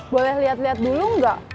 boleh liat liat dulu enggak